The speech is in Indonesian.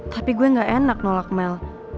tapi gue gak enak nolak mel